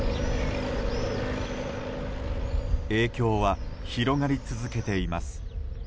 影響は広がり続けています。